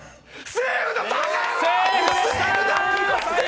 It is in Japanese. セーフだ！